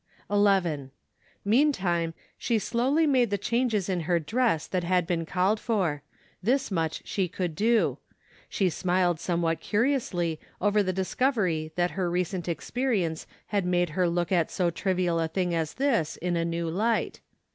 SEPTEMBER. 101 11. Meantime, she slowly made the changes in her dress that had been called for; this much she could do. She smiled somewhat curiously over the discovery that her recent experience had made her look at even so trivial a thing as this, in a new light.